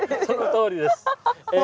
そのとおりです。